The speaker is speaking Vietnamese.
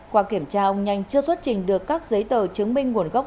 qua kiểm tra ông nhanh chưa xuất trình được các giấy tờ chứng minh nguồn gốc